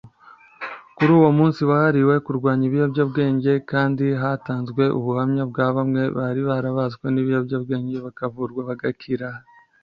Kuri uwo munsi wahariwe kurwanya ibiyobyabwenge kandi hatanzwe ubuhamya bwa bamwe bari barabaswe n’ibiyobyabwenge bakavurwa bagakira